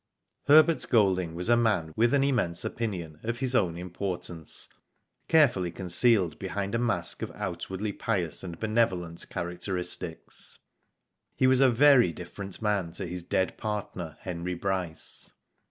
Herbert Golding was a man, with an immense opinion of his own importance, carefully conceale4 behind a mask of outwardly pious and benevolent characteristics. He was a very different man to his dead partner, Henry Bryce.